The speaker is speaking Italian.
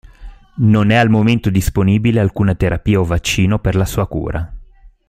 Non è al momento disponibile alcuna terapia o vaccino per la sua cura.